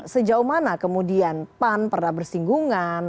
sejauh mana kemudian pan pernah bersinggungan